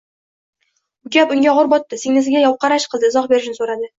Bu gap unga og‘ir botdi, singlisiga yovqarash qildi izoh berishini so‘radi